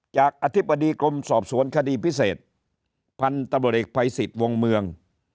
อธิบดีกรมสอบสวนคดีพิเศษพันธุ์ตำรวจเอกภัยสิทธิ์วงเมือง